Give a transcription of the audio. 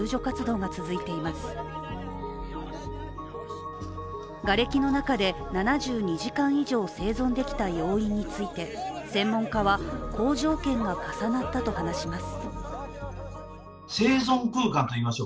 がれきの中で７２時間以上生存できた要因について専門家は、好条件が重なったと話します。